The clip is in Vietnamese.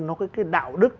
nó có cái đạo đức